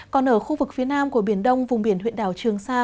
còn ở khu vực phía nam của biển đông vùng biển huyện đảo trường sa